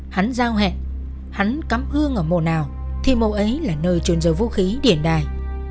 hắn giao hẹn hắn cắm hương ở mộ nào thì mộ ấy là nơi trôn giấu vũ khí điện đài